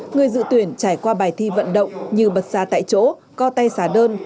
người dự tuyển trải qua bài thi vận động như bật xa tại chỗ co tay xả đơn